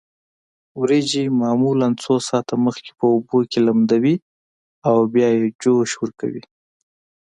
وریجې معمولا څو ساعته مخکې په اوبو کې لمدوي او بیا یې جوش ورکوي.